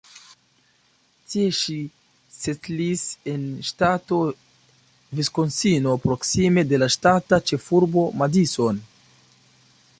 Tie ŝi setlis en ŝtato Viskonsino proksime de la ŝtata ĉefurbo Madison.